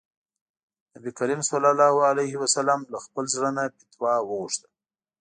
نبي کريم ص له خپل زړه نه فتوا وغوښته.